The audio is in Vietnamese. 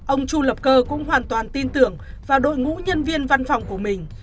ông chu lập cơ cũng hoàn toàn tin tưởng vào đội ngũ nhân viên văn phòng của mình